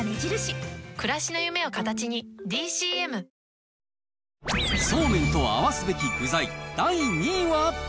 ニトリそうめんと合わすべき具材第２位は。